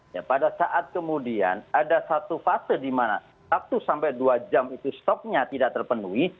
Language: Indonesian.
ya pada saat kemudian ada satu fase di mana satu sampai dua jam itu stoknya tidak terpenuhi